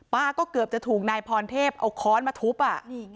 ก็เกือบจะถูกนายพรเทพเอาค้อนมาทุบอ่ะ